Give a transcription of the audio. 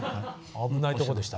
危ないとこでした。